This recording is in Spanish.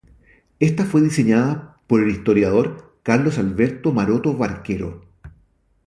Esta fue diseñada por el historiador Carlos Alberto Maroto Barquero.